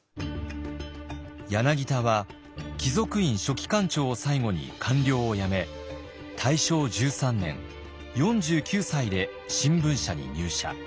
柳田は貴族院書記官長を最後に官僚を辞め大正１３年４９歳で新聞社に入社。